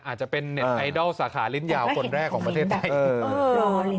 อาจจะเป็นเน็ตไอดอลสาขาลิ้นยาวคนแรกของประเทศไทย